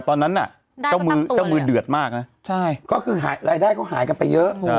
ต้องมือเดือดมากนะใช่ก็คือหายรายได้ก็หายกันไปเยอะ